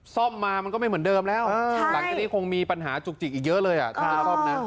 ซ่อมมามันก็ไม่เหมือนเดิมแล้วหลังจากนี้คงมีปัญหาจุกจิกอีกเยอะเลยซ่อมนะ